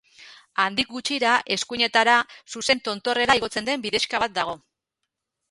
Handik gutxira, eskuinetara, zuzen tontorrera igotzen den bidexka bat dago.